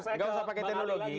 nggak usah pakai teknologi